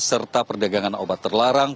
serta perdagangan obat terlarang